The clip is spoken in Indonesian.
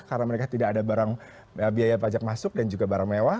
karena mereka tidak ada barang biaya pajak masuk dan juga barang mewah